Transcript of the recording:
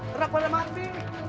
ternak pada mati